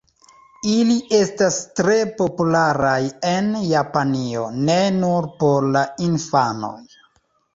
Ili estas tre popularaj en Japanio, ne nur por la infanoj.